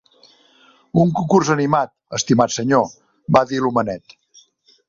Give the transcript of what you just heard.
"Un concurs animat, estimat senyor", va dir l'homenet.